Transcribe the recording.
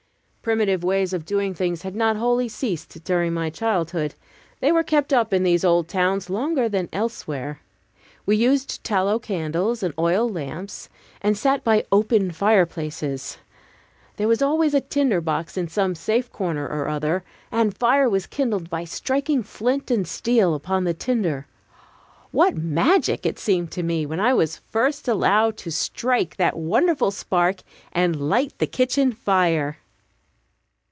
Primitive ways of doing things had not wholly ceased during my childhood; they were kept up in these old towns longer than elsewhere. We used tallow candles and oil lamps, and sat by open fireplaces. There was always a tinder box in some safe corner or other, and fire was kindled by striking flint and steel upon the tinder. What magic it seemed to me, when I was first allowed to strike that wonderful spark, and light the kitchen fire!